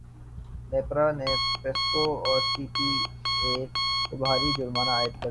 نیپرا نے پیسکو اور سی پی پی اے پر بھاری جرمانے عائد کردیے